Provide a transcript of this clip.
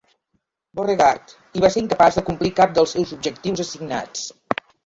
Beauregard, i va ser incapaç de complir cap dels seus objectius assignats.